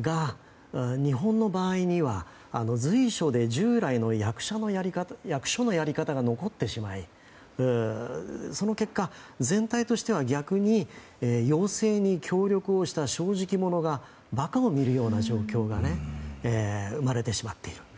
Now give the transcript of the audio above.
が、日本の場合には随所で従来の役所のやり方が残ってしまいその結果、全体としては逆に要請に協力をした正直者が馬鹿を見るような状況が生まれてしまっている。